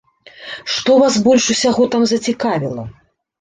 Што вас больш усяго там зацікавіла?